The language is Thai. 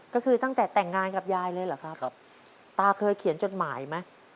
ก็คือตั้งแต่แต่งงานกับยายเลยเหรอครับตาเคยเขียนจดหมายไหม